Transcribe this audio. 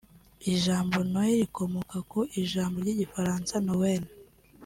Ijambo Noheli rikomoka ku ijambo ry’Igifaransa “Noël”